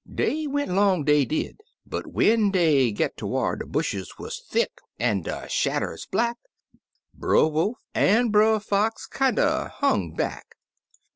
*'Dey went 'long, dey did, but when dey git ter whar de bushes wuz thick an' de shadders black. Brer Wolf an' Brer Fox kinder hung back.